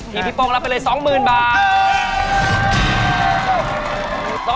พี่พี่โป้งรับไปเลย๒๐๐๐บาท